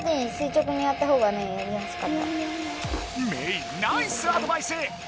あのねメイナイスアドバイス！